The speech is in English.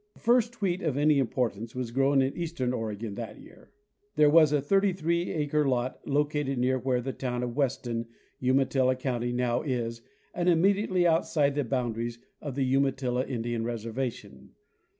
The first wheat of any importance was grown in eastern Ore gon that year. There was a three acre lot located near where the town of Weston, Umatilla county, now is and immediately outside the boundaries of the Umatilla Indian reservation.